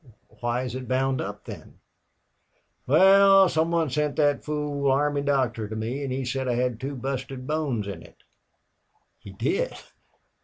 "Why is it bound up, then?" "Wal, some one sent thet fool army doctor to me an' he said I had two busted bones in it." "He did!